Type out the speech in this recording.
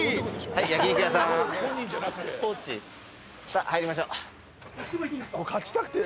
さあ入りましょう。